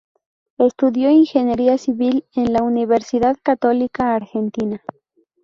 Estudió Ingeniería Civil en la Universidad Católica Argentina.